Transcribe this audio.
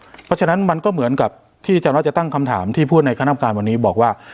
เพราะฉะนั้นมันก็เหมือนกับที่อาจารย์ว่าจะตั้งคำถามที่พูดในคณะกรรมการวันนี้บอกว่า